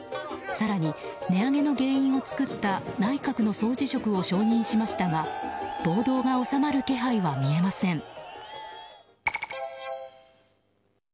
更に、値上げの原因を作った内閣の総辞職を承認しましたが暴動が収まる気配は見えません。